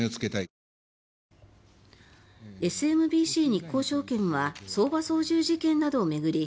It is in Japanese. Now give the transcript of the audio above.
ＳＭＢＣ日興証券は相場操縦事件などを巡り